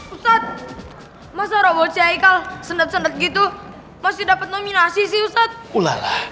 ustadz masalah bocekal sendet sendet gitu masih dapat nominasi sih ustadz